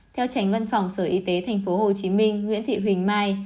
theo tránh văn phòng sở y tế thành phố hồ chí minh nguyễn thị huỳnh mai